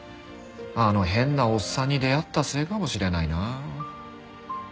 あの変なおっさんに出会ったせいかもしれないな。